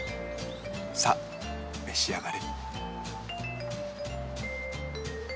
さあめし上がれ。